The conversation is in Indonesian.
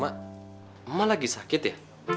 emak emak lagi sakit ya